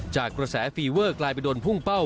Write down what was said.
จากกระแสฟีเวอร์กลายไปโดนพุ่งเป้า